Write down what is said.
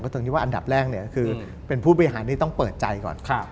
ตรงนี้ว่าอันดับแรกคือเป็นผู้บริหารที่ต้องเปิดใจก่อน